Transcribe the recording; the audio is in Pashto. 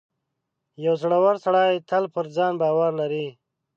• یو زړور سړی تل پر ځان باور لري.